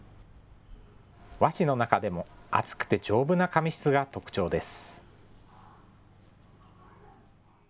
和紙の中でも厚くて丈夫な紙質が特徴です。